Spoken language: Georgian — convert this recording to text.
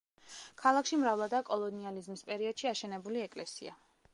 ქალაქში მრავლადაა კოლონიალიზმის პერიოდში აშენებული ეკლესია.